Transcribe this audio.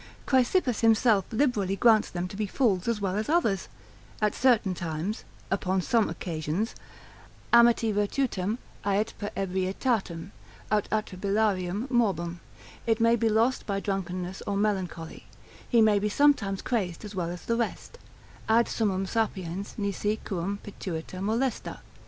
Chrysippus himself liberally grants them to be fools as well as others, at certain times, upon some occasions, amitti virtutem ait per ebrietatem, aut atribilarium morbum, it may be lost by drunkenness or melancholy, he may be sometimes crazed as well as the rest: ad summum sapiens nisi quum pituita molesta.